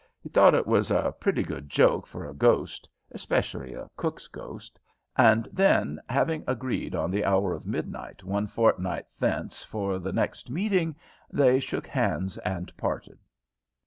He thought it was a pretty good joke for a ghost especially a cook's ghost and then, having agreed on the hour of midnight one fortnight thence for the next meeting, they shook hands and parted.